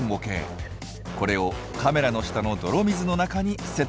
これをカメラの下の泥水の中にセットします。